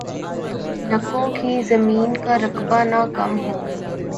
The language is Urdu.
لکوں کی زمین کا رقبہ نہ کم ہو